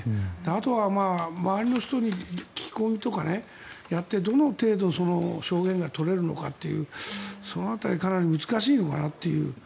あとは周りの人に聞き込みとかやってどの程度証言が取れるのかというその辺りがかなり難しいのかなという。